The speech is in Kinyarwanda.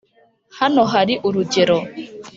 hano hari urugero: